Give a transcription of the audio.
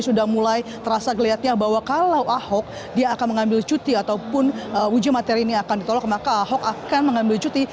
sudah mulai terasa kelihatannya bahwa kalau ahok dia akan mengambil cuti ataupun uji materi ini akan ditolak maka ahok akan mengambil cuti